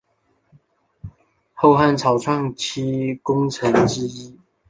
后汉草创期功臣之一。